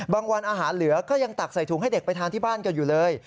วันอาหารเหลือก็ยังตักใส่ถุงให้เด็กไปทานที่บ้านกันอยู่เลย